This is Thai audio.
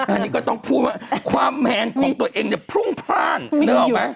อันนี้ก็ต้องพูดว่าความแมนของตัวเองได้พุ้งพลาด